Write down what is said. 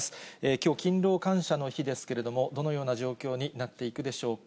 きょう勤労感謝の日ですけれども、どのような状況になっていくでしょうか。